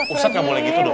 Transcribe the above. ustadz gak boleh gitu dong